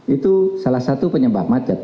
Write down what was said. itu salah satu penyebab macet